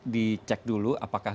dicek dulu apakah